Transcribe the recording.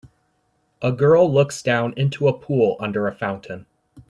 A girl looks down into a pool under a fountain.